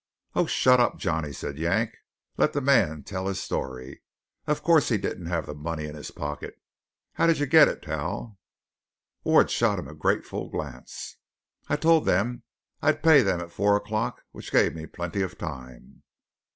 "Oh, shut up, Johnny," said Yank; "let the man tell his story. Of course he didn't have the money in his pocket. How did you get it, Tal?" Ward shot him a grateful glance. "I told them I'd pay them at four o'clock which gave me plenty of time."